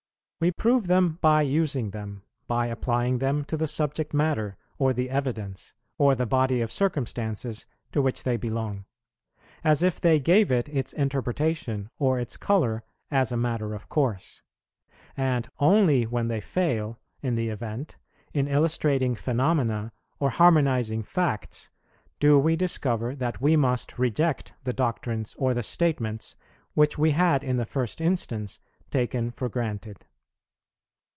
We prove them by using them, by applying them to the subject matter, or the evidence, or the body of circumstances, to which they belong, as if they gave it its interpretation or its colour as a matter of course; and only when they fail, in the event, in illustrating phenomena or harmonizing facts, do we discover that we must reject the doctrines or the statements which we had in the first instance taken for granted.